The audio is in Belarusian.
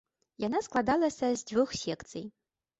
Яна складалася з дзвюх секцый.